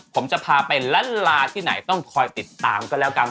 ผมจะพาไปล้านลาที่ไหนต้องคอยติดตามก็แล้วกัน